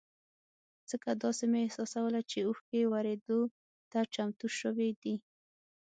ځکه داسې مې احساسوله چې اوښکې ورېدو ته چمتو شوې دي.